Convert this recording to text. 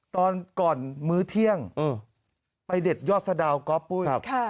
ตอนก่อนมื้อเที่ยงไปเด็ดยอดสะดาวก๊อฟปุ้ย